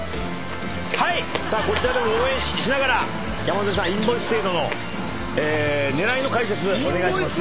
さあこちらでも応援しながら山添さんインボイス制度の狙いの解説お願いします。